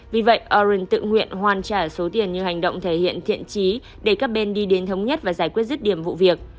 vì vậy oren tự nguyện hoàn trả số tiền như hành động thể hiện thiện trí để các bên đi đến thống nhất và giải quyết rứt điểm vụ việc